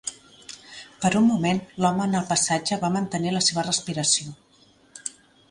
Per un moment l'home en el passatge va mantenir la seva respiració.